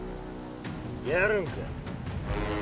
やるんか？